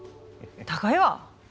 高いわ！